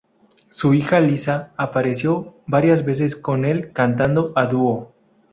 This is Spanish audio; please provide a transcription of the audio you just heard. Su hija, Liza, apareció varias veces con el cantando a dúo.